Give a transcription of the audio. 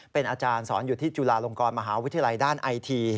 เป็นอาจารย์สอนอยู่ที่จุฬาลงกรมหาวิทยาลัยด้านไอที